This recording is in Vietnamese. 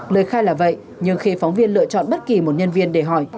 lời khai là vậy nhưng khi phóng viên lựa chọn bất kỳ một nhân viên để hỏi